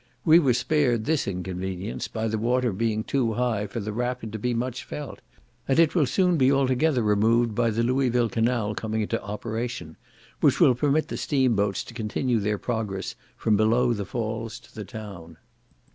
We were spared this inconvenience by the water being too high for the rapid to be much felt, and it will soon be altogether removed by the Louisville canal coming into operation, which will permit the steam boats to continue their progress from below the falls to the town.